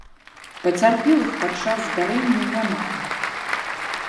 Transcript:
Пацярпелых падчас здарэння няма.